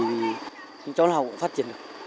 thì cháu học cũng phát triển được